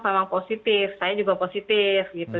memang positif saya juga positif gitu